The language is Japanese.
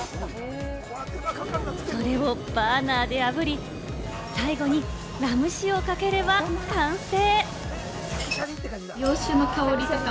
それをバーナーであぶり、最後にラム酒をかければ完成。